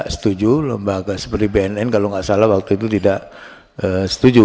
setuju lembaga seperti bnn kalau nggak salah waktu itu tidak setuju